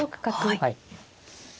はい。